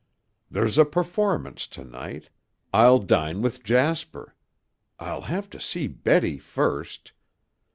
"There's a performance to night. I'll dine with Jasper. I'll have to see Betty first...."